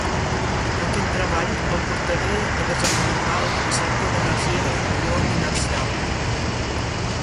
Aquest treball el portaria a desenvolupar el concepte d'energia de fusió inercial.